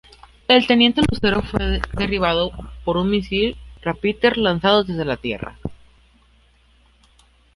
El teniente Lucero fue derribado por un misil Rapier lanzado desde tierra.